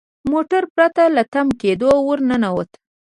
موټر پرته له تم کیدو ور ننوت.